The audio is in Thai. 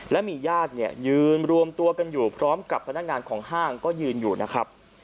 และมีญาติเนี่ยยืนรวมตัวกันอยู่พร้อมกับพนักงานของห้างก็ยืนอยู่นะครับ